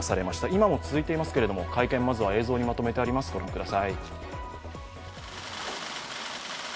今も続いていますけれども会見まずは映像にまとめてあります、ご覧ください。